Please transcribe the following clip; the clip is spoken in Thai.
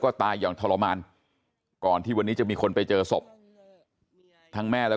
ก็ตายอย่างทรมานก่อนที่วันนี้จะมีคนไปเจอศพทั้งแม่และ